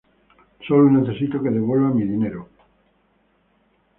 Solo necesito que devuelva mi dinero.